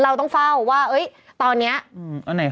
เราต้องเฝ้าว่าเอ๊ยตอนเนี้ยอืม